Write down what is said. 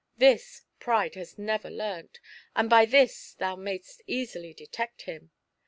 This, Pride has never learnt, and by this thoa mayst easily detect him.